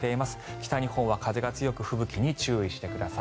北日本は風が強く吹雪に注意してください。